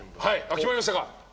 決まりましたか？